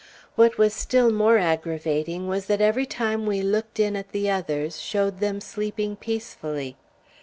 What was still more aggravating was that every time we looked in at the others showed them sleeping peacefully.